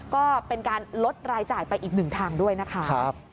ก็เป็นการลดรายจ่ายไปอีกหนึ่งทางด้วยนะคะ